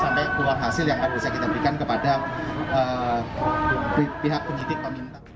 sampai keluar hasil yang bisa kita berikan kepada pihak penyitik peminta